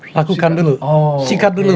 lakukan dulu sikat dulu